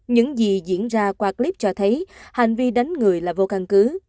những gì diễn ra qua clip cho thấy hành vi đánh người là vô căn cứ